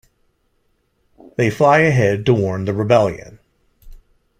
They fly ahead to warn The Rebellion.